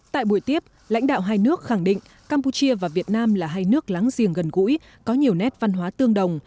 tại buổi tiếp lãnh đạo hai nước khẳng định campuchia và việt nam là hai nước láng giềng gần gũi có nhiều nét văn hóa tương đồng